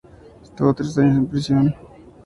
Estuvo tres años en prisión.